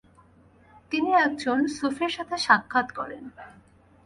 তিনি একজন সুফির সাথে সাক্ষাৎ করেন।